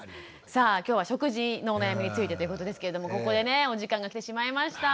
さあ今日は食事のお悩みについてということですけれどもここでねお時間が来てしまいました。